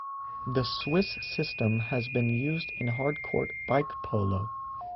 The Swiss-system has been used in Hardcourt Bike Polo.